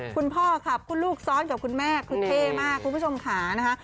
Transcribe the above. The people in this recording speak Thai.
คุณพ่อขับคุณลูกซ้อนกับคุณแม่คือเท่มากคุณผู้ชมขานะคะ